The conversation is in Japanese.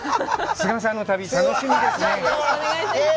須賀さんの旅、楽しみですねえ。